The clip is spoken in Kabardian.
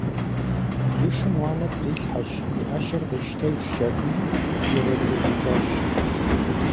И шым уанэ трилъхьэщ, и ӏэщэр къищтэжщ аби, еуэри ежьэжащ.